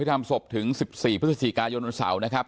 ทำศพถึง๑๔พฤศจิกายนวันเสาร์นะครับ